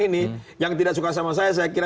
ini yang tidak suka sama saya saya kira